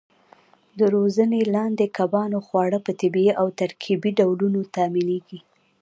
د روزنې لاندې کبانو خواړه په طبیعي او ترکیبي ډولونو تامینېږي.